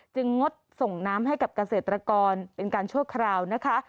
งดส่งน้ำให้กับเกษตรกรเป็นการชั่วคราวนะคะ